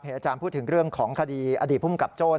เหรียญแอจารย์พูดถึงของคดีอดีตภูมิกับโจ่